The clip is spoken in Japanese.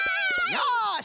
よし！